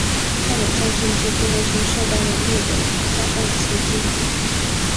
抗美战争期间曾受到猛烈的炸弹袭击。